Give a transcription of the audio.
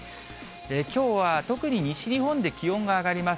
きょうは特に西日本で気温が上がります。